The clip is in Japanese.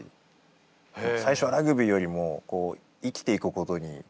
最初はラグビーよりも生きていくことに必死でしたね。